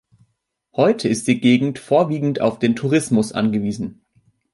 Heute ist die Gegend vorwiegend auf den Tourismus angewiesen.